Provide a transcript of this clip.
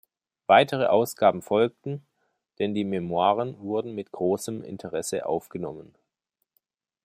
Weitere Ausgaben folgten, denn die Memoiren wurden mit großem Interesse aufgenommen.